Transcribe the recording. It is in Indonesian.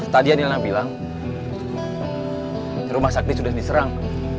tadi anil nam bilang rumah sakri sudah diserang